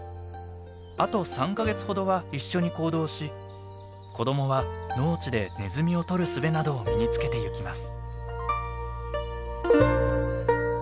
あと３か月ほどは一緒に行動し子どもは農地でネズミを捕るすべなどを身につけてゆきます。